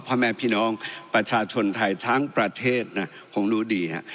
พระแม่พี่น้องประชาชนไทยทั้งประเทศผมรู้ดีครับ